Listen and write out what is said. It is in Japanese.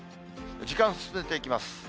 時間進めていきます。